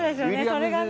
それがね